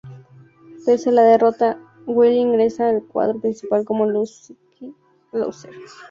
Pese a la derrota, Willy ingresa al cuadro principal como lucky loser.